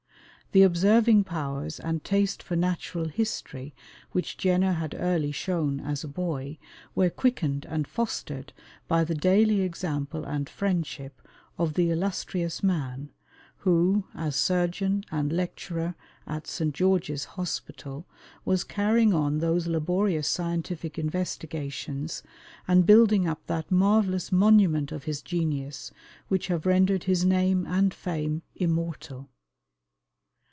The observing powers and taste for natural history which Jenner had early shown, as a boy, were quickened and fostered by the daily example and friendship of the illustrious man who, as surgeon and lecturer at St. George's Hospital, was carrying on those laborious scientific investigations, and building up that marvelous monument of his genius, which have rendered his name and fame immortal.